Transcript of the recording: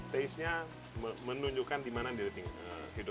tastenya menunjukkan dimana diri kita hidup